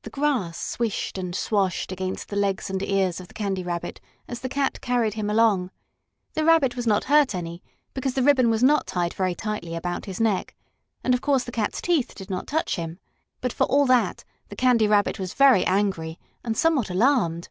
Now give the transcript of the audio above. The grass swished and swashed against the legs and ears of the Candy Rabbit as the cat carried him along. The Rabbit was not hurt any, because the ribbon was not tied very tightly about his neck. And of course the cat's teeth did not touch him. But, for all that, the Candy Rabbit was very angry and somewhat alarmed.